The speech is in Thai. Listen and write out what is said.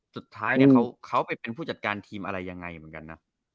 สุดท้ายเนี่ยเขาไปเป็นผู้จัดการทีมอะไรยังไงเหมือนกันนะ